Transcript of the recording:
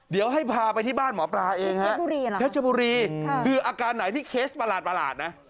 เดี๋ยวให้พาไปที่บ้านหมอปลาเองฮะเพชรบุรีคืออาการไหนที่เคสประหลาดนะ